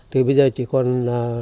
thì bây giờ chỉ còn là